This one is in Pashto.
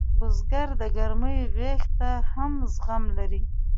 بزګر د ګرمۍ غېږ ته هم زغم لري